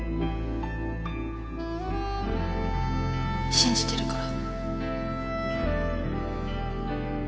信じてるから。